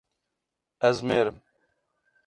Ez mêr im.